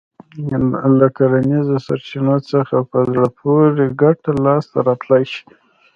له کرنیزو سرچينو څخه په زړه پورې ګټه لاسته راتلای شي.